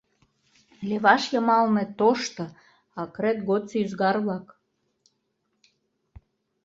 Леваш йымалне тошто, акрет годсо ӱзгар-влак.